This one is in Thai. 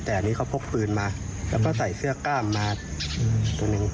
แต่อันนี้เขาพกปืนมาแล้วก็ใส่เสื้อกล้ามมาตัวหนึ่ง